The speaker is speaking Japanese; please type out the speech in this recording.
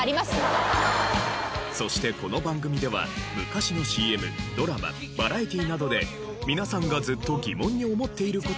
そしてこの番組では昔のＣＭドラマバラエティなどで皆さんがずっと疑問に思っている事を募集します。